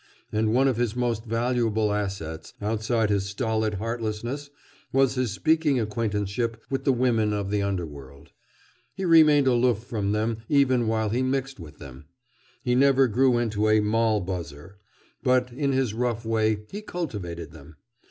And one of his most valuable assets, outside his stolid heartlessness, was his speaking acquaintanceship with the women of the underworld. He remained aloof from them even while he mixed with them. He never grew into a "moll buzzer." But in his rough way he cultivated them.